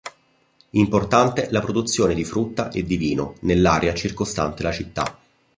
Importante la produzione di frutta e di vino nell'area circostante la città.